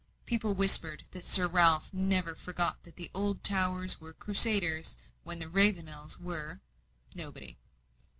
People whispered that Sir Ralph never forgot that the Oldtowers were Crusaders when the Ravenels were nobody.